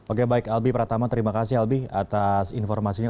oke baik albi pratama terima kasih albi atas informasinya